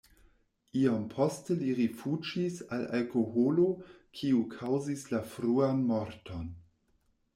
Iom poste li rifuĝis al alkoholo, kiu kaŭzis la fruan morton.